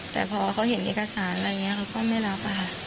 แต่พอเขาเห็นเอกสารอะไรอย่างนี้เขาก็ไม่รับค่ะ